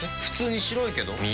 普通に白いけど。